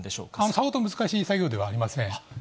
さほど難しい作業ではありません。